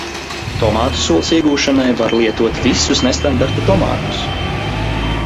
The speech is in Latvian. Tomātu sulas iegūšanai var lietot visus nestandarta tomātus.